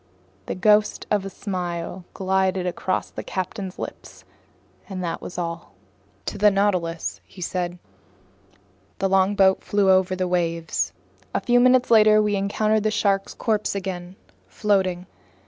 The ghost of a smile glided across the captain's lips, and that was all. "To the Nautilus," he said. The longboat flew over the waves. A few minutes later we encountered the shark's corpse again, floating.